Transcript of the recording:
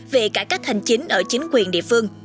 về cải cách hành chính ở chính quyền địa phương